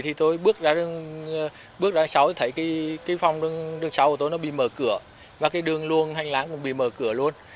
tôi bước ra sáu thì thấy cái phòng đường sáu của tôi nó bị mở cửa và cái đường luôn hành láng cũng bị mở cửa luôn